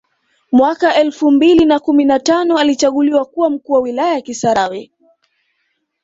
Mwaka elfu mbili na kumi na tano alichaguliwa kuwa mkuu wa wilaya ya kisarawe